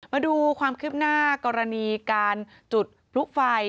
มาดูความคืบหน้ากรณีการจุดพลุไฟ